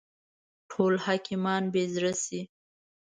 ټول حاکمان بې زړه شي.